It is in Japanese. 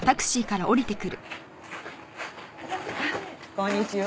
こんにちは。